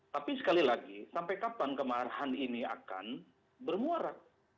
tapi sekali lagi sampai kapan kemarahan ini akan bermuara